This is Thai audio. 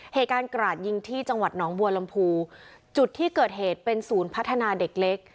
กราดยิงที่จังหวัดหนองบัวลำพูจุดที่เกิดเหตุเป็นศูนย์พัฒนาเด็กเล็ก